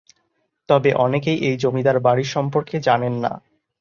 তবে অনেকেই এই জমিদার বাড়ি সম্পর্কে জানেন না।